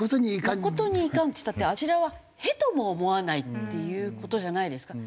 「誠に遺憾」って言ったってあちらは屁とも思わないっていう事じゃないですか？